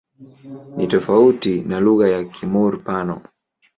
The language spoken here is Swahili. Ni tofauti na lugha ya Kimur-Pano.